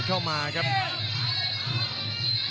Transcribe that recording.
กำปั้นขวาสายวัดระยะไปเรื่อย